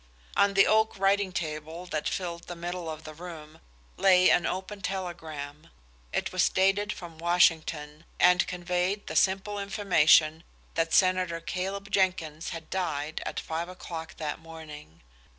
On the oak writing table that filled the middle of the room lay an open telegram. It was dated from Washington, and conveyed the simple information that Senator Caleb Jenkins had died at five o'clock that morning.